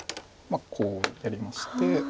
こうやりまして。